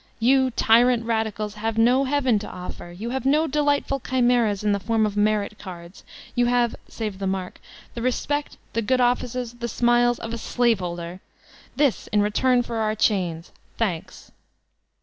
You, tyrant rad icals (?), have no heaven to offer, — ^you have no delight ful chimeras in the form of "merit cards''; ]roo have (save the mark) the respect, the good offices, die smiles ^K)f a slave holder! This in return for our chains! Thanks!